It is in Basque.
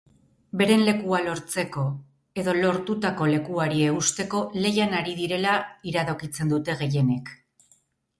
Beren lekua lortzeko edo lortutako lekuari eusteko lehian ari direla iradokitzen dute gehienek.